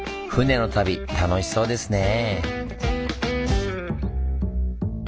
船の旅楽しそうですね。